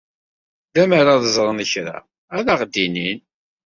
Lemmer ad ẓren kra, ad aɣ-d-inin.